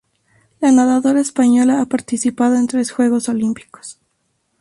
La nadadora española ha participado en tres Juegos Olímpicos.